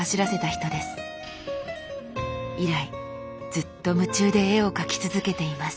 以来ずっと夢中で絵を描き続けています。